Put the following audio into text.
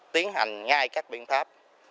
tiến hành ngay các biện pháp